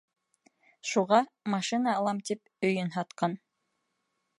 Шуға, машина алам тип, өйөн һатҡан.